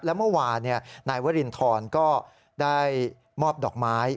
แล้วเมื่อวานเนี่ยนายวรินทรอนก็ได้มอบดอกไม้